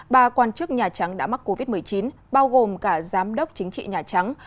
ba quan chức nhà trắng đã mắc covid một mươi chín bao gồm cả giám đốc chính trị nhà trắng